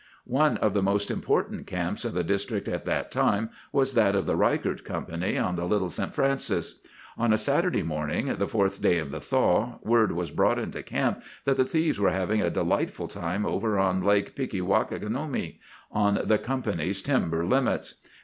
"One of the most important camps of the district at that time was that of the Ryckert Company, on the Little St. Francis. On a Saturday morning, the fourth day of the thaw, word was brought into camp that the thieves were having a delightful time over on Lake Pecktaweekaagomic, on the Company's timber limits.